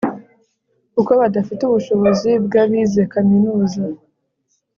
kuko badafite ubushobozi bw'abize kaminuza